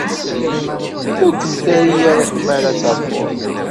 Ur kem-terri ara tmara ad terfuḍ.